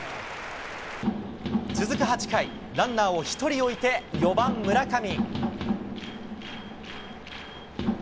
続く８回、ランナーを１人置いて４番村上。